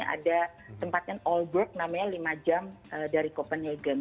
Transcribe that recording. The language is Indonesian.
ada tempatnya allberg namanya lima jam dari copenhagen